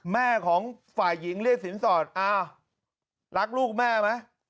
แม่ของฝ่ายหญิงเรียกสินสอดอ้าวรักลูกแม่ไหม